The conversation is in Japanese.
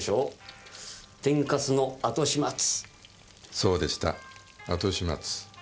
そうでした後始末。